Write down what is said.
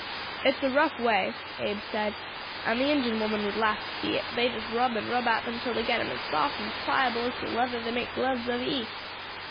"It's a rough way," Abe said, "and the Injin women would laugh to see it; they just rub and rub at them till they get them as soft and pliable as the leather they make gloves of East.